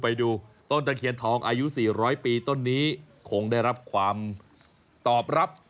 ไปดูต้นตะเคียนทองอายุ๔๐๐ปีต้นนี้คงได้รับความตอบรับ